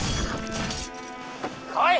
来い！